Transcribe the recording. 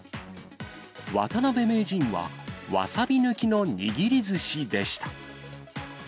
渡辺名人は、わさび抜きの握りずしでした。